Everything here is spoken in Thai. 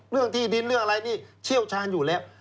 เรื่องที่ดินเรื่องอะไรนี่เชี่ยวชาญอยู่แล้ว